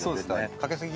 かけすぎ？